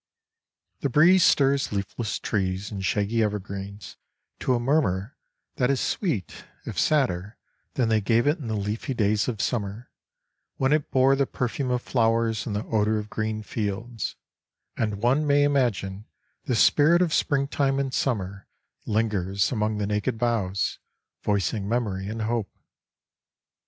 The breeze stirs leafless trees and shaggy evergreens to a murmur that is sweet, if sadder than they gave it in the leafy days of summer, when it bore the perfume of flowers and the odor of green fields, and one may imagine the spirit of springtime and summer lingers among the naked boughs, voicing memory and hope.